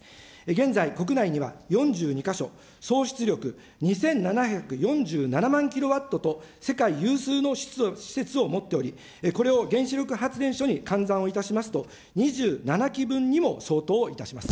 現在、国内には４２か所、総出力２７４７万キロワットと、世界有数の施設を持っており、これを原子力発電所に換算をいたしますと、２７基分にも相当いたします。